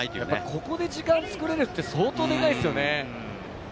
ここで時間を作れるって相当でかいですよね。